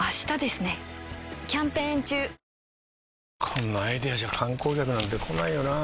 こんなアイデアじゃ観光客なんて来ないよなあ